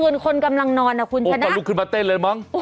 เที่ยงคืนคนกำลังนอนคุณจะนับโอ้ตลกขึ้นมาเต้นเลยมั้ง